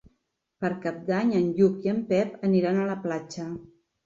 Per Cap d'Any en Lluc i en Pep aniran a la platja.